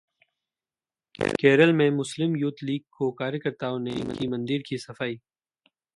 केरल में मुस्लिम यूथ लीग के कार्यकर्ताओं ने की मंदिर की सफाई